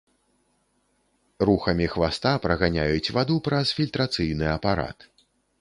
Рухамі хваста праганяюць ваду праз фільтрацыйны апарат.